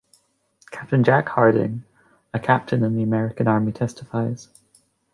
Captain Jack Harding, a captain in the American army testifies.